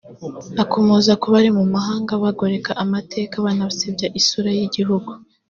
Akomoza ku bari mu mahanga bagoreka amateka banasebya isura y’igihugu